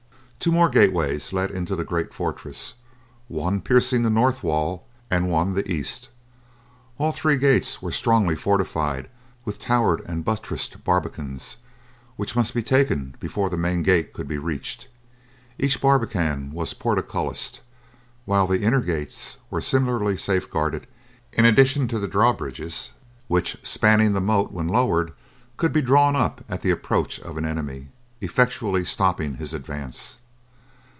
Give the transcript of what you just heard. Two more gateways let into the great fortress, one piercing the north wall and one the east. All three gates were strongly fortified with towered and buttressed barbicans which must be taken before the main gates could be reached. Each barbican was portcullised, while the inner gates were similarly safeguarded in addition to the drawbridges which, spanning the moat when lowered, could be drawn up at the approach of an enemy, effectually stopping his advance.